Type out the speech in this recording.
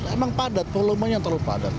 emang padat volumenya terlalu padat